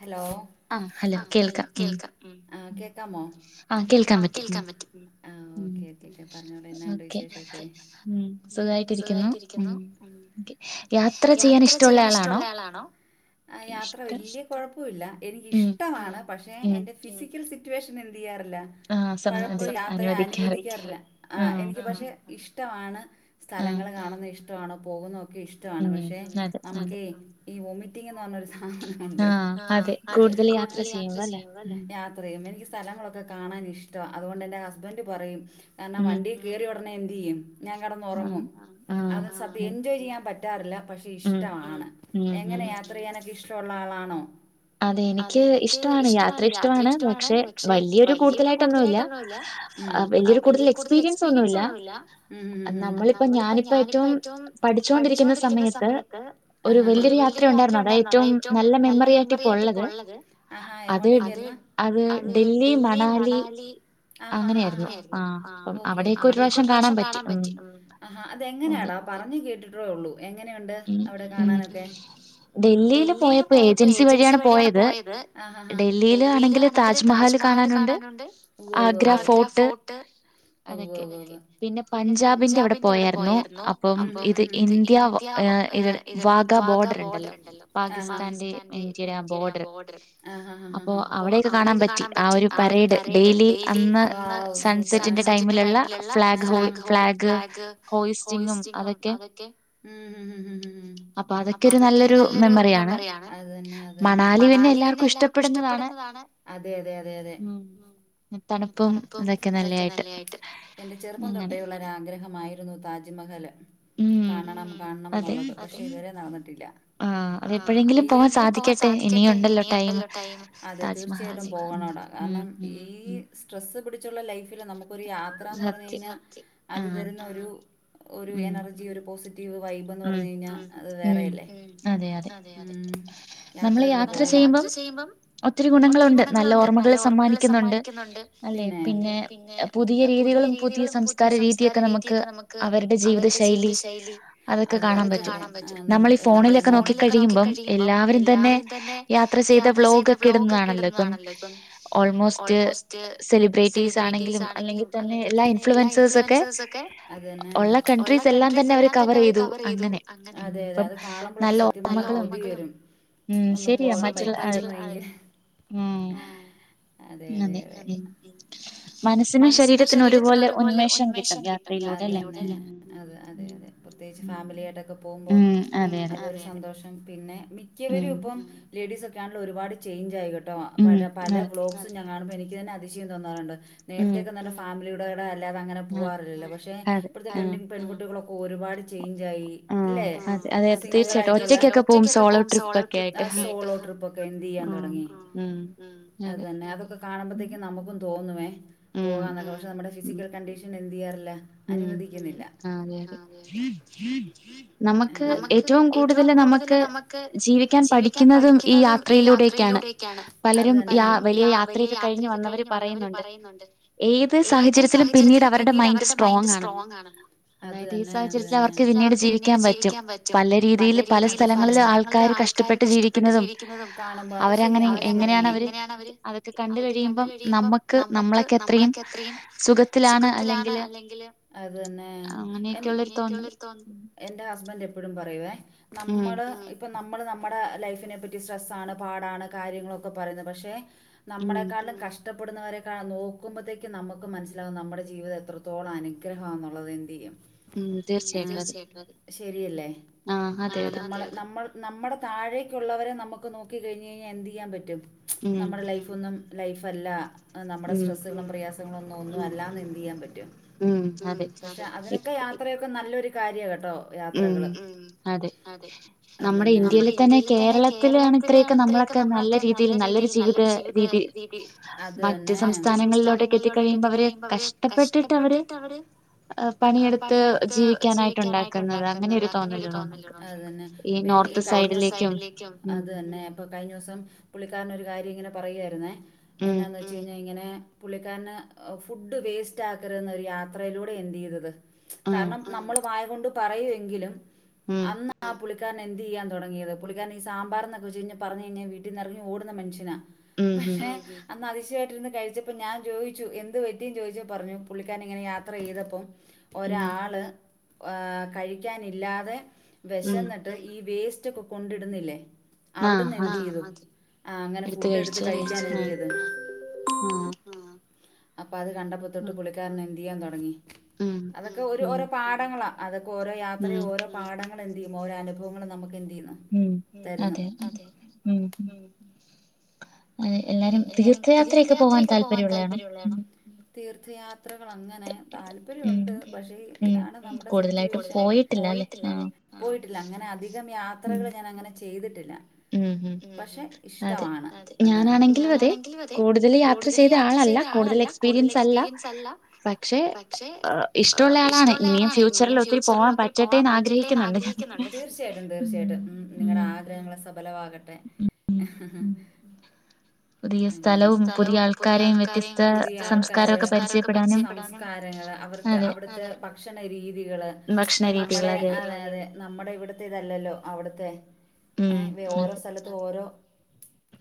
Hello ആ hello കേക്കാം കേക്കാമോ ആഹ് കേൾക്കാൻ പറ്റും ആഹ് ഓക്കേ ഓക്കേ കേ പറഞ്ഞോളൂ എന്നാ ഉണ്ട് വിശേഷൊക്കെ സുഖായിട്ടിരിക്കുന്നു. ഉം. ഓക്കേ യാത്ര ചെയ്യാൻ ഇഷ്ടുള്ള ആളാണോ? യാത്ര വലിയ കുഴപ്പില്ല. എനിക്കിഷ്ടമാണ്. പക്ഷെ എന്റെ ഫിസിക്കൽ സിറ്റുവേഷൻ എൻ യ്യാറില്ല. പലപ്പോഴും യാത്ര അനുവദിക്കാറില്ല. ആഹ് എനിക്ക് പക്ഷെ ഇഷ് ടവാണ്. സ്ഥലങ്ങള് കാണുന്നത് ഇഷ്ടവാണ്, പോകുന്നൊക്കെ ഇഷ്ടവാണ്. പക്ഷെ നമുക്കേ ഈ വൊമിറ്റിംഗ് എന്ന് പറഞ്ഞ ഒരു സാധനോണ്ട്. ആഹ് അതെ. കൂടുതല് യാത്ര ചെയ്യുമ്പല്ലേ? യാത്ര ചെയ്യുമ് എനിക്ക് സ്ഥലങ്ങളൊക്കെ കാണാൻ ഇഷ്ടവാ. അത്കൊണ്ടെന്റെ ഹസ്ബന്റ് പറയും കാരണം വണ്ടിയെ കേറിയ ഉട ഒടനെ എന്തുചെയ്യും ഞാൻ കെടന്നൊറങ്ങും. ആ അതാ സത്യം എൻജോയ് ചെയ്യാൻ പറ്റാറില്ല. പക്ഷെ ഇഷ്ടവാണ്. എങ്ങനെ യാത്ര ചെയ്യാനൊക്കെ ഇഷ് ട്ടോള്ള ആളാണോ? അതെ എനിക്ക് ഇഷ്ടമാണ് യാത്ര ഇഷ്ടമാണ് പക്ഷെ വലിയൊരു കൂടുതലായിട്ടൊന്നുല്ല ഉം വലിയൊരു കൂടുതൽ എക്സ്പീരിയൻസ് ഒന്നുമില്ല നമ്മളിപ്പോ ഞാനിപ്പ ഏറ്റോം പഠിച്ചോണ്ടിരിക്കുന്ന സമയത്ത് ഒരു വലിയൊരു യാത്ര ഒണ്ടായിരുന്നു അതാ ഏറ്റോം നല്ല മെമ്മ ഫ്രീയാട്ടിപ്പൊള്ളത്. ആഹാ എങ്ങോട്ടേക്കായിരുന്നു? അത് അത് ഡൽഹി മണാലി ആഹ് ആഹ് ആഹ് അങ്ങനേര്ന്നു. അവിടെയൊക്കെ ഒരു പ്രാവശ്യം കാണാൻ പറ്റി. ആഹാ അതെങ്ങനാടാ പറഞ്ഞു കേട്ടിട്ടേ ഉള്ളൂ എങ്ങനെയുണ്ട് അവിടെ കാണാനൊക്കെ ഡൽഹീല് പോയപ്പോ ഏജൻസി ഏജൻസി വഴിയാണ് പോയത്. ഡൽഹീല് ആണെങ്കില് താജ്മഹല് കാണാനുണ്ട്. ഉവ്വ് ഉവ്വ് ആഗ്ര ഫോർട്ട് ഒക്കെ. ഉവ്വ്വ്വ് പിന്നെ പഞ്ചാബിന്റെ അവിടെ പോയായിരുന്നു. അപ്പം ഇത് ഇന്ത്യ ഇത് വാഗ ബോർഡർ ഇണ്ടല്ലോ? പാകിസ്ഥാന്റെ ഇന്റ് ഇന്ത്യയുടെ ആ ബോർഡർ. ആഹ് ആഹ് ആഹ് അപ്പൊ അവിടെയെക്കെ കാണാൻ പറ്റി. ആ ഒരു പരേഡ് ഡെയിലി ആ സൺസെറ്റിന്റെ ടൈമിലുള്ള ഫ്ളാഗ് ഹോയി ഫ്ളാഗ് ഹോയിസ്റ്റിങ്ങും അതൊക്കെ ഉം ഉം ഉം. അപ്പൊ അതൊക്കെ ഒരു നല്ലൊരു മെമ്മറിയാണ്. അതെ അതന്നെ. മണാലി പിന്നെ എല്ലാർക്കും ഇഷ്ടപ്പെടുന്നതാണ്. അതെയതെ അതെയതെയതെ തണുപ്പും ഇതൊക്കെ നല്ലയായിട്ട്. എന്റെ ചെറുപ്പം തൊട്ടേയുള്ള ഒരാഗ്രഹമായിരുന്നു താജ് മഹല് കാണണം കാണണംന്നുള്ളത്. പക്ഷെ ഇതുവരെ നടന്നിട്ടില്ല. ആ എപ്പഴെങ്കിലും പോവാൻ സാധിക്കട്ടെ. ഇനിയും ഇണ്ടല്ലോ ടൈം. അതെ തീർച്ചയായിട്ടും പോവണടാ. കാരണം ഈ സ്ട്രെസ്സ് പിടി ച്ചുള്ള ലൈഫില് നമുക്കൊരു യാത്രാന്ന് പറഞ്ഞു കഴിഞ്ഞാ അത് തരുന്ന ഒരു ഒരു എനർജി ഒരു പോസിറ്റീ വ് വൈബ് എന്ന് പറഞ്ഞ് കഴിഞ്ഞാ അത് വേറെയല്ലേ. ഉം അതെയതെ. ഉം യാത്രകള് പോണം. നമ്മള് യാത്ര ചെയ്യുമ്പം ഒത്തിരി ഗുണങ്ങളുണ്ട്. നല്ല ഓർമ്മകള് സമ്മാനിക്കുന്നുണ്ട്. അല്ലെ പിന്നെ പുതിയ രീതി പുതിയ രീതികളും പുതിയ സംസ്കാര രീതിയൊക്കെ നമുക്ക് അവരുടെ ജീവിത ശൈലി അതൊക്കെ കാണാൻ പറ്റും. നമ്മളീ ഫോണിലൊക്കെ നോക്കി കഴിയുമ്പം എല്ലാവരും എല്ലാവരും തന്നെ യാത്ര ചെയ്ത ബ്ലോഗൊക്കെ ഇട്ന്നതാണല്ലോ ഇപ്പം ഓൾമോസ്റ്റ് സെലിബ്രെയിറ്റീസ് ആണെങ്കിലും അല്ലെങ്കിൽ തന്നെ എല്ലാ ഇൻഫ്ലൂവൻസേഴ്സൊക്കെ ഒള്ള കൺട്രീസ് എല്ലാം തന്നെ അവര് കവർ ചെയ്തു അങ്ങനെ. അതെ അതെ അത് കാണുമ്പളൊക്കെ സത്യം പറഞ്ഞാ കൊതി വരും. നല്ല ഓർമ്മകളും. ഒന്ന് പോകാൻ പറ്റിയിരുന്നെങ്കിൽ അതെ അതെ അതെ മനസ്സിനും ശരീരത്തിനും ഒരുപോലെ ഉന്മേഷം കിട്ടും യാത്രയിലൂടെ അല്ലേ അതെ പ്രത്യേകിച്ച് ഫാമിലിയായിട്ടൊക്കെ പോകുമ്പോ അതൊരു സന്തോഷം പിന്നെ മിക്കവരും ഇപ്പം ലേഡീസൊക്കെ ആണെങ്കിൽ ഒരുപാട് ചേഞ്ച് ആയിക്കോട് ട്ടോ പല പല ബ്ലോഗ്സ് ഞാൻ കാണുമ്പോ എനിക്ക് തന്നെ അതിശയം തോന്നാറുണ്ട് നേരത്തെക്കെ നല്ല ഫാമിലിയുടെ കൂടെ അല് ല്ലാതെ അങ്ങനെ പോവാറില്ലല്ലോ? പക്ഷെ ഇപ്പത്തെ പെണ്ണിൻ പെൺകുട്ടികളൊക്കെ ഒരുപാട് ചേഞ്ചായി ആ അതെ അതെ തീർച്ചയായിട്ടും ഒറ്റക്കൊക്കെ പോവും സ്വ പോവും സോളോ ട്രിപ്പ് സോളോ ട്രിപ്പ് ഒക്കെ എന്ത് ചെയ്യാൻ തുടങ്ങി ഉം അതന്നെ അതൊക്കെ കാണുമ്പോത്തേക്കും നമുക്കും തോന്നുവേ പോകാന്നൊക്കെ പക്ഷെ നമ്മുടെ ഫിസിക്കൽ കണ്ടീഷൻ എന്തിയാർ ല്ല അനുവദിക്കുന്നില്ല ആ അതേ അതെ നമുക്ക് ഏറ്റവും വും കൂടുതൽ നമുക്ക് ജീവിക്കാൻ പഠിക്കുന്നതും ഈ യാത്രയിലൂടെയൊക്കെയാണ് പലരും യാ വലിയ യാത്രയൊക്കെ കഴിഞ്ഞ് ഇത് കഴിഞ്ഞ് വന്നവര് പറയുന്നുണ്ട് ഏത് സാഹചര്യത്തിലും പിന്നീട് അവരുടെ മൈൻഡ് മൈൻഡ് സ്ട്രോങ് ആണ് അതായത് ഈ സാഹചര്യത്തിൽ അവർക്ക് പിന്നീട് ജീവിക്കാൻ പറ്റും പല രീതിയില് പല സ്ഥലങ്ങളിൽ ആൾക്ക ആൾക്കാര് കഷ്ടപ്പെട്ട് ജീവിക്കുന്നതും കാണുമ്പോ അത്‌ ശരിയാ എങ്ങനെയാണ് അവര് അവർക്ക് പം നമ്മുക്ക് നമ്മളൊക്കെ എത്രയും സുഖത്തിലാണ് അല്ലെങ്കില് അതന്നെ എന്റെ അങ്ങനെ ഒക്കെ ഉള്ളൊരു തോന്നൽ എന്റെ ഹസ്ബൻഡറ് എപ്പോഴും പറയുവേ നമ്മള് നമ്മൾ നമ്മുടെ ലൈഫിനെപ്പറ്റി സ്ട്രെസ്സാണ് പാടാണ് കാര്യങ്ങളൊക്കെ പറയുന്നത് പക്ഷേ നമ്മളെക്കാളിലും കഷ്ട ഷ്ടപ്പെടുന്നവരെക്ക നോക്കുമ്പോഴത്തേക്കും നമുക്ക് മനസ്സിലാകും നമ്മുടെ ജീവിത എത്രത്തോളം അനുഗ്രഹമാ എന്നുള്ളത് എന്ത്‌ചെയ്യും തീർച്ചയായിട്ടും അതെ ശരിയല്ലേ ആ നമ്മ നമ്മൾ നമ്മടെ താഴേക്കുള്ളവരെ നമുക്ക് നോക്കി കഴിഞ്ഞ് കഴിഞ്ഞാൽ എന്ത് ചെയ്യാൻ പറ്റും നമ്മുടെ ലൈഫൊന്നും ലൈഫല്ലാ നമ്മ്ടെ സ്ട്രസ്സുകളും പ്രയാസങ്ങളൊന്നും ഒന്നു അല്ലാ എന്തയ്യാൻ പറ്റും ഉം പഷെ അതിനൊക്കെ യാത്രയൊക്കെ നല്ലൊരു കാര്യാ കെട്ടോ ട്ടോ യാത്രകള് ഉം അതെ നമ്മ്ടെ ഇന്ത്യയില് തന്നെ കേരളത്തിലാണ് ഇത്രയൊക്കെ നമ്മളൊക്കെ നല്ല രീതിയില് നല്ലൊരു ജീവിത രീതി രീതി അതേന്നെ മറ്റെ സംസ്ഥാനങ്ങളിലോട്ടൊക്കെ എത്തികഴിയുമ്പവര് കഷ്ടപ്പെട്ടിട്ട് അവര് പണിയെടുത്ത് ജീവിക്കാനായിട്ട്നുണ്ടാ ട്ടുണ്ടാക്കുന്നത് അങ്ങനെയൊരു തോന്നല് അതന്നെ ഇപ്പൊ എന്റെ ഈ കഴിഞ്ഞ നോർത്ത് സൈഡിലേക്കും അത് തന്നെ ഇപ്പൊ കഴിഞ്ഞോസം പുള്ളിക്കാര ക്കാരൻ ഒരു കാര്യങ്ങനെ പറയായിരുന്നെ എന്നാന്ന് ഉം വെച്ച് കഴിഞ്ഞ ഇങ്ങനെ പുള്ളിക്കാരന് ഫുഡ് വേസ്റ്റാക്കരുതെന്ന് ഒരു യാത്രയിലൂടെ എന്തീതത് കാരണം നമ്മള് വാഴകൊണ്ട് പറയുവെങ്കിലും അന്ന് ആ പുള്ളി ക്കാരന് എന്തീയ്യാൻ തൊടങ്ങിയത് പുള്ളിക്കാരന് ഈ സാമ്പറെന്ന്ക്കൊവെച്ചഴിഞ പറഞഴിഞ വീട്ടിന്ന് എറങി ഓട്ന്ന മനുഷ്യനാ ബഷെ അന്ന് അതിശയായിട്ടിരുന്ന് കഴിച്ചപ്പൊ ഞാൻ ചോയിച്ചു എന്ത് പറ്റീന്ന് ചോദിച്ചപ്പൊ പറഞ്ഞു പുള്ളിക്കാരനിങ്ങനെ യാത്രയീതപ്പൊ ഒരാള് ആഹ് കഴിക്കാനില്ലാതെ വെശന്നിട്ട് ഈ വേസ്റ്റൊക്കെ കൊണ്ടിട്ന്നില്ലെ അവിട്ന്ന് എന്തീതു ആഹ് അങ്ങനെ ഫുഡെടുത്ത് കഴിക്കാനൊരുങ്ങിയത് ആഹ് അപ്പ അത് കണ്ടപ്പത്തൊട്ട് പുള്ളിക്കാരനെന്തീയ്യാൻ തൊടങ്ങി അതൊക്കെ ഒര് ഓരോ പാടങ്ങളാ പ്പോരോ യാത്രീം ഓരോ പാഠങ്ങളെന്തീയ്യും ഓരോ അനുഭവങ്ങ് നമ്മക്ക് എന്ത് യന്നു തരുന്നു അതെ ഉം ഉം അ എല്ലാരും തീർത്ഥയാത്രയൊക്കെ പോവാൻ താല്പര്യം ഉള്ളെണൊ തീർത്ഥയാത്രകളങ്ങനെ താല്പര്യൊണ്ട് പഷേ ഇതാണ് നമ്മുടെ സിറ്റ്വേഷൻ കൂടുതാലായിട്ടും പോയിട്ടില്ല അല്ലേ പോയിട്ടില്ല അങ്ങനെ അധികം യാത്രകള് ഞാനങ്ങനെ ചെയ്തിട്ടില്ല ഉം ഉം പഷേ ഇഷ്ടമാണ് അതെ ഞാനാണെങ്കിലും അതെ കൂടുതല് യാത്ര ചെയ്ത ആളല്ല കൂടുതൽ എക്സ്പീരിയൻസല്ല പക്ഷേ ഇഷ്ട്ടുള്ള ആളാണ് ഇഞ്ഞി ഫ്യൂച്ചർ പറ്റട്ടേന്ന് ആഗ്രഹിക്കുന്നുണ്ട് ഞാൻ ച്ചയായിട്ടും തീർച്ചയായിട്ടും ഉം നിങ്ങടെ ആഗ്രഹങ്ങള് സഫലവാകട്ടെ ഉ. പുതിയ സ്ഥലവും പുതിയ ആൾക്കാരെയും വ്യത്യസ്ത സംസ്കാരൊക്കെ പരിചയപ്പെടാനും- അവ്ട്ത്തെ അവ്ട്ത്തെ ഭക്ഷണ രീതികൾ - കള് ഇപ്പ നമ്മ്ടെ അതെ അതെ നമ്മ്ടെ ഇവിട്ത്തെതല്ലല്ലൊ അവിട്ത്തെ- ഏഹ് വെ ഓരോ സ്ഥലത്തു ഓരോ-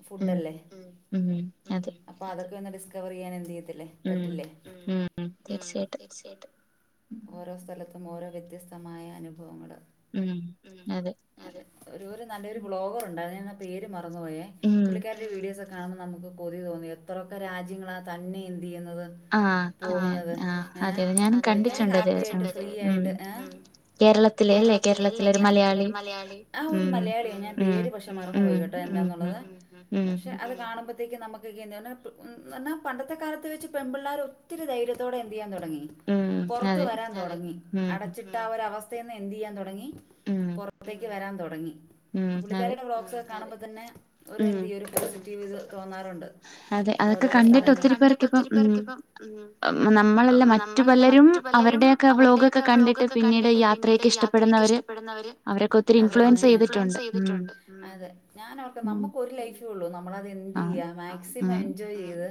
ഫുഡല്ലെ അപ്പൊ അതൊക്കൊന്ന് ഡിസ്കവറീചെയ്യാന് എന്തീത്- പറ്റില്ലെ ഉം ഉം തീർച്ചയായിട്ടും ഓരോ സ്ഥലത്തും- ഓരോ വ്യത്യസ്തമായ അനുഭവങ്ങള്- ഉം അതെ ഒരു ഒര് നല്ലൊരു വ്ലോഗറുണ്ടായിരുന്നു ഞാന പേര് മ മറന്ന് പോയെ പുള്ളിക്കാരിടെ വീഡിയോസൊ കാണുമ്പൊ നമുക്ക് കൊതി തോന്നും എത്രൊക്കെ രാജ്യങ്ങളാ തന്നെ ഏന്തീ- പോകുന്നത്പുള്ളിക്കാരി ഹാപ്പി ആയിട്ട് ഫ്രീ ആയിട്ട് ഏഹ്- കേരളത്തിലെ ല്ലെ കേരളത്തില്- കേരളത്തിലെ ഒരു മലയാളി ആ ഞാൻ പേര് പഷെ മറന്ന് പോയികെട്ടോ എന്താന്നുള്ളത് പഷെ അത് കാണും നമ്മക്ക്കെന്ന പണ്ടത്തെ കാലത്ത് വെച്ച് പെമ്പ്ള്ളാരൊത്തിരി ധൈര്യത്തോടെ എന്തെയ്യ തൊടങ്ങി പൊറത്ത് വരാൻ തൊടങ്ങി അടച്ചിട്ട ആ ഒരൊവസ്ഥീന്ന് എന്തെയ്യാൻ തൊടങ്ങി പൊറത്തേക്ക് വരാൻ തൊടങ്ങി പുള്ളിക്കാരീടെ വ്ലോക്സൊക്കെ കാണുമ്പതന്നെ ഒര് എന്തീയ്യും ഒരു പോസിറ്റീവ്ത് തോന്നാറുണ്ട് അതെ അതൊക്കെ കണ്ടിട്ട് ഒത്തിരി പേർക്ക് പ്പം ഉം നമ്മളല്ല മറ്റു പലരും അവര്ടെയൊക്കെ വ്ളോഗൊക്കെ കണ്ടിട്ട് പിന്നീട് യാത്രയൊക്കെ ഇഷ്ടപ്പെടുന്നവര് പെടുന്നവര് അവരൊക്കെ ഒത്തിരി ഇൻഫ്ലുവൻസ് ചെയ്തിട്ടുണ്ട് അതെ ഞാനോർക്കാ നമ്മുക്കൊരു ലൈഫേ ഉള്ളൂ നമ്മളത് എന്ത് ചെയ്യ് ക്കാ മാക്സിമം എൻജോയ് ചെയ്ത്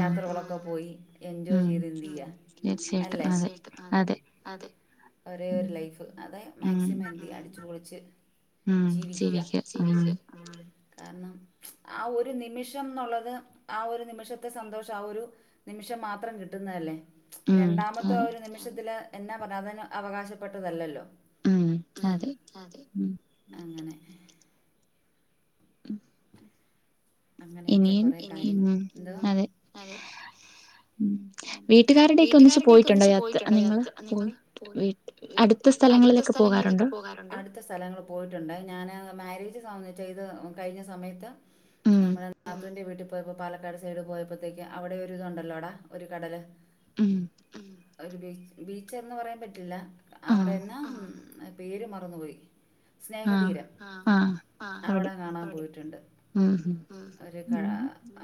യാത്രകളൊക്കെ പോയി എൻജോയ് ചെയ്ത് എന്തെയ്യാ അല്ലെ [unintelligible] അതെ അതെ ഒരേ ഒരു ലൈഫ് അതെ മാക്സിമം എന്ത് ചെയ്യാ അടിച്ചുപൊളിച്ച് ജീവിക്ക്യ ജീവിക്ക്യ കാരണം ഉ [inaudible] ആ ഒരു നിമിഷംന്നുള്ളത് ആ ഒരു നിമിഷത്തെ സന്തോഷം ആ ഒരു നിമിഷം മാത്രം കിട്ടുന്നതല്ലേ രണ്ടാമത്തോ ഒരു നിമിഷത്തില് എന്നാ പറ അവന് അവകാശപ്പെട്ടതല്ലല്ലോ ഉം അതെ അങ്ങനെ അങ്ങനെയൊക്കെ കൊറെ കാര്യ [unintelligible] എന്തുവാ അതെ വീട്ടുകാരുടെയൊക്കെ ഒന്നിച്ച് പോയിട്ടുണ്ടോ യാത്ര നിങ്ങള് പോയി അടുത്ത സ്ഥലങ്ങളിൽ അടുത്ത സ്ഥലങ്ങളിലൊക്കെ പോകാറുണ്ടോ അടുത്ത സ്ഥലങ്ങളിൽപോയിട്ടുണ്ട് ഞാന് മാര്യേജ് സ ചെയ്തു കഴിഞ്ഞ സമയത്ത് നമ്മുടെ നാത്തൂന്റെ വീട്ടിപ്പോ പോയപ്പോ പാലക്കാട് സൈഡ് പോയപ്പോത്തേക്ക് അവിടെ ഒരിതുണ്ടല്ലോടാ ഒരു കടല് മ്മ് ഒരു ബീച്ച് ബീച്ചെന്ന് പറയാൻ പറ്റില്ല അവിടെന്നാ ആ അ പേര് മറന്നുപോയി സ്നേഹതീരം ആ ആ അവിടെ കാണാൻ പോയിട്ട് ഉണ്ട് ഉം ഒരു കട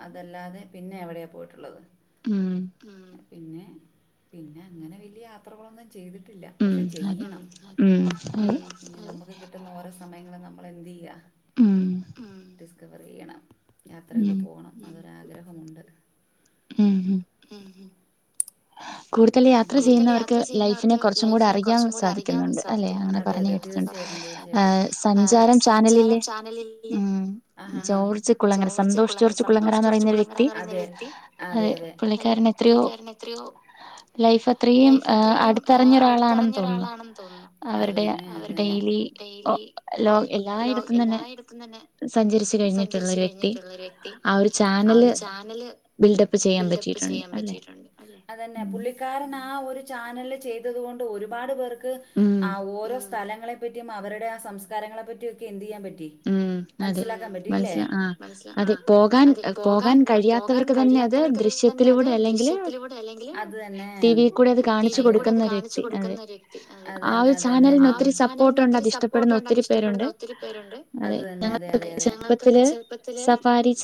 അതല്ലാതെ പിന്നെ എവിടെയാ പോയിട്ടുള്ളത് ഉം പിന്നെ പിന്നെ അങ്ങനെ വലിയ യാത്രകളൊന്നും ചെയ്തിട്ട് ട്ടില്ല പക്ഷെ ചെയ്യണം ഉം നമുക്ക് കിട്ടുന്ന ഓരോ സമയങ്ങളും നമ്മള് മ്മളെന്ത് ചെയ്യാ ഉം മ്മ് ഡിസ്കവർ ചെയ്യണം യാത്രയൊക്കെ പോണം അങ്ങനെയൊരാഗ്രഹമുണ്ട് ഉം ഹും ഉം കൂടുതൽയാത്ര ചെയ്യുന്നവർക്ക് ലൈഫിനെ കൊറച്ചും കൂടി അറിയാൻ സാധിക്കുന്നുണ്ട് അതെ അതെ അല്ലെ തീർച്ചയായിട്ടും തീർച്ചയായിട്ടും ആ സഞ്ചാരം ചാനലില് ഉം ആഹ് ആഹ് ആഹ് ജോർജ് കുളങ്ങര സന്തോഷ് ജോർജ് കുളങ്ങരാന്ന് പറയുന്ന അതെ വെക്തി അതെ അതെ പുള്ളിക്കാരൻ എത്രയോ [unintelligible] ലൈഫ് അത്രയും ങേ അടുത്തറിഞ്ഞൊരാളാണെന്ന് തോന്നുന്നു അവരടെ ഡെയിലി ഡെയ്ലി ഒ ലോ എല്ലായിടത്തും തന്നെ സഞ്ചരിച്ചു കഴിഞ്ഞിട്ടുള്ള ഒരു വ്യക്തി ആ ഒരു ചാനല് ബിൽഡപ്പ് ചെയ്യാൻ പറ്റിയിട്ടുണ്ട് അല്ലെ അതന്നെ പുള്ളിക്കാരൻ ആ ഒരു ചാനല് ചെയ്തത് കൊണ്ട് ഒരുപാട് പേർക്ക് ക്ക് ആ ഓരോ സ്ഥലങ്ങളെ പറ്റിയും അവരുടെ ആ സംസ്കാരങ്ങളെ പറ്റിയൊക്കെ എന്ത് ചെയ്യാൻ പറ്റി മനസ്സിലാക്കാൻ പറ്റി ഇല്ലേ മനസ്സിലാ ആ അതെ പോകാൻ പോകാൻ കഴിയാത്തവർക്ക് [unintelligible] പിന്നെ അത്അത് ദൃശ്യത്തിലൂടെ അല്ലെങ്കില് അത് തന്നെ ടിവിയിൽ കൂടി അതെ അത് കാണിച്ചു കൊടുക്കുന്ന ഒരു വ്യക്തി അതന്നെ അതന്നെ ആ ഒരു ചാനലിന് ഒത്തിരി സപ്പോർട്ടുണ്ട് അത് ഇഷ്ടപ്പെടുന്ന ഒത്തിരി പേരുണ്ട് അതന്നെ അത അതെ അതെ അതെ ഞങ്ങൾക്കൊക്കെ ചെറുപ്പത്തില്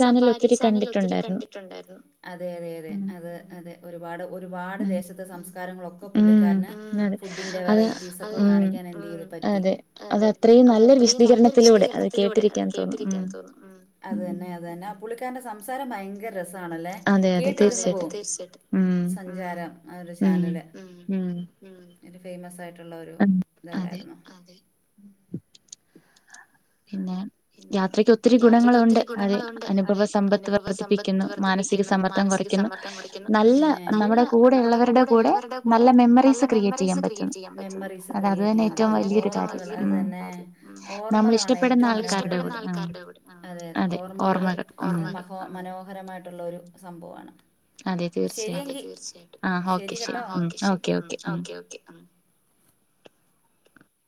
സഫാരി ചാനൽ ഒത്തിരി കണ്ടിട്ടുണ്ടായിരുന്നു അതെ അതെ അതെ അത് അതെ ഒരുപാട് ഒരുപാട് ദേശത്തെ സംസ്കാരം ഇങ്ങളൊക്കെ പുള്ളിക്കാരന് ഉം ഫുഡിന്റെ വെറൈറ്റീസ് അത് ഒക്കെ കാണിക്കാനായിട്ട്പറ്റി അതെ നല്ലൊരു വിശ്ദീകരണത്തിലൂടെ അത് കേട്ടിരിക്കാൻ തോ കേട്ടിരിക്കാൻ തോന്നും ഉം അതന്നെ അതന്നെ ആ പുള്ളിക്കാരന്റെ സംസാരം ഭയങ്കര രസാ ആണല്ലേ കേട്ടിരുന്ന് പോകും സഞ്ചാരം ഉം ആ ഒരു ചാനല് ഉം ഉം ഒരു ഫേമസ് ആയിട്ടുള്ള ഒരു അതെയതെ ഇതല്ലായിരുന്നോ അതെ പിന്നെ യാത്രക്കൊത്തിരി ഗുണങ്ങളുണ്ട് അതെ അനുഭവ സമ്പത്ത് വർദ്ധിപ്പിക്കുന്നു മാനസിക സമ്മർദ്ദം കൊറ ക്കുന്നു നല്ല നമ്മുടെ കൂടെള്ളവരുടെ കൂടെ നല്ല മെമ്മറീസ് ക്രിയേറ്റ് ചെയ്യാൻ പറ്റുന്നു മെമ്മറീസ് ക്രിയേറ്റ് ചെയ്യാൻ പറ്റുന്നു ഓർമ്മകളാണ് ഏറ്റ അതെതെ ഓർമ്മകള് മനോഹരമായിട്ടൊള്ളൊരു സംഭവാണ് ശെരിയെങ്കി ശെരി ഓക്കെ ഓക്കെ